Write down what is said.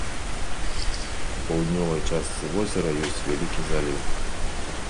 У паўднёвай частцы возера ёсць вялікі заліў.